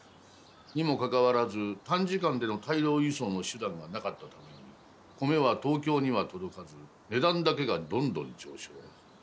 にもかかわらず短時間での大量輸送の手段がなかったために米は東京には届かず値段だけがどんどん上昇。